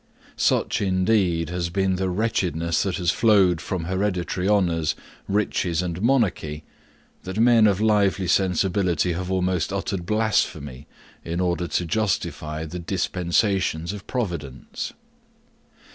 Such, indeed, has been the wretchedness that has flowed from hereditary honours, riches, and monarchy, that men of lively sensibility have almost uttered blasphemy in order to justify the dispensations of providence.